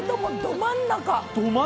ど真ん中。